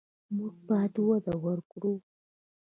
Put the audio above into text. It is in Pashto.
موږ باید وده ورکړو.